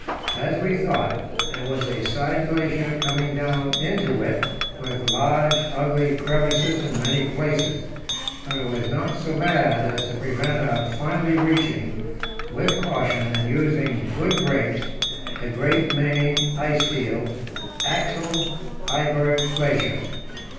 As we thought, there was a side glacier coming down into it, with large, ugly crevasses in many places; but it was not so bad as to prevent our finally reaching, with caution and using good brakes, the great main ice field Axel Heiberg Glacier.